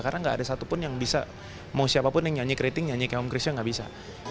karena gak ada satupun yang bisa mau siapapun yang nyanyi keriting nyanyi kayak almarhum krisha gak bisa